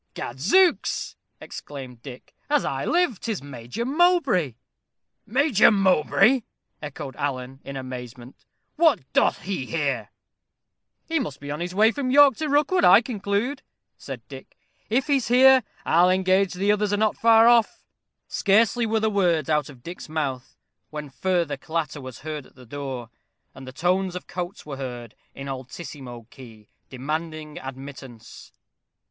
"Gad zooks!" exclaimed Dick. "As I live, 'tis Major Mowbray!" "Major Mowbray!" echoed Alan, in amazement "What doth he here?" "He must be on his way from York to Rookwood, I conclude," said Dick. "If he's here, I'll engage the others are not far off." Scarcely were the words out of Dick's mouth, when further clatter was heard at the door, and the tones of Coates were heard, in altissimo key, demanding admittance.